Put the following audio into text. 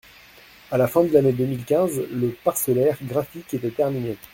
À la fin de l’année deux mille quinze, le parcellaire graphique était terminé.